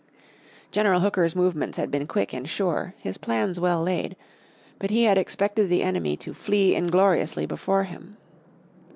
General Hooker's movements had been quick and sure, his plans well laid. But he had expected the enemy to "flee ingloriously" before him.